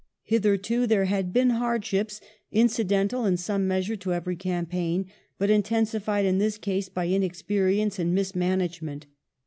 Hitherto there had been hardships, incidental in some measure to every campaign, but intensified in this case by inexperience and mismanagement.